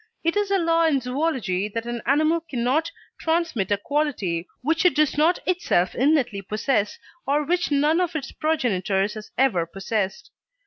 It is a law in zoology that an animal cannot transmit a quality which it does not itself innately possess, or which none of its progenitors has ever possessed.